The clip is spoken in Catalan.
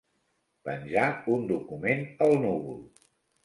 Penjar un document al núvol.